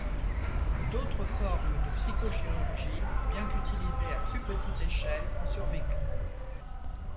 D'autres formes de psychochirurgie, bien qu'utilisées à plus petite échelle, ont survécu.